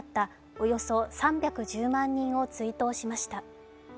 およそ３１０万人を追悼しました。